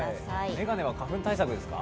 眼鏡は花粉対策ですか？